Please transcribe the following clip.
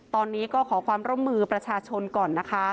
ตอนนี้ก็ขอความร่วมมือประชาชนก่อนนะคะ